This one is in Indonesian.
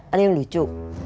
ada yang lucu